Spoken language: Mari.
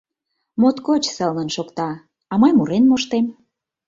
Моткоч сылнын шокта... а мый мурен моштем.